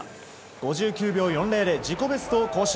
５９秒４０で自己ベストを更新。